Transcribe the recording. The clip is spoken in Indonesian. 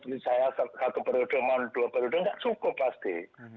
misalnya satu periode mau dua periode nggak cukup pasti